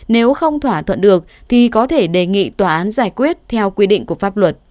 nếu không thỏa thuận được thì có thể đề nghị tòa án giải quyết theo quy định của pháp luật